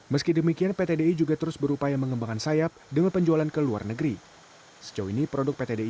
meski demikian pt di juga terus berupaya mengembangkan sayap dengan penjualan ke luar negeri